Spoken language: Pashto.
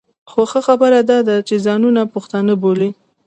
خو ښه خبره دا ده چې ځانونه پښتانه بولي.